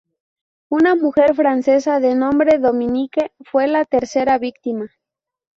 Una mujer francesa, de nombre Dominique, fue la tercera víctima.